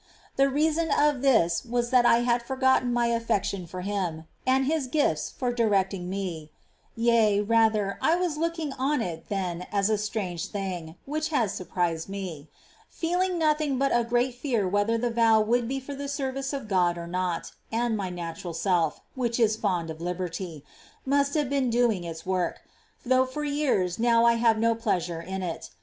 ^ The reason of this was that I had forgotten my affection for him, and his gifts for directing me; yea, rather, I was looking on it then as a strange thing, which has surprised me ; feeling nothing but a great fear whether the vow would be for the service of God or not : and my natural self — which is fond of liberty — must feave been doing its work, though for years now I have no pleasure in it.